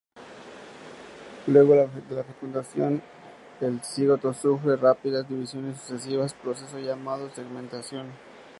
Luego de la fecundación, el cigoto sufre rápidas divisiones sucesivas, proceso llamado segmentación.